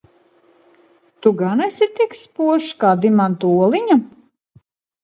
Tu gan esi tik spožs kā dimanta oliņa?